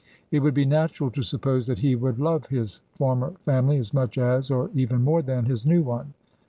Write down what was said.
It would be natural to suppose that he would love his former family as much as, or even more than, his new one.